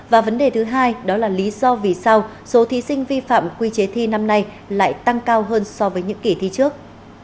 và vấn đề thứ hai đó là lý do vì sao số thí sinh vi phạm quy chế thi năm nay lại tăng cao hơn so với những kỷ thi trước